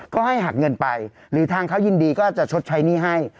ก็ให้หักเงินไปหรือทางเขายินดีก็จะชดใช้หนี้ให้